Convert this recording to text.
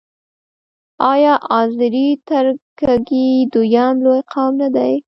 آیا آذری ترکګي دویم لوی قوم نه دی؟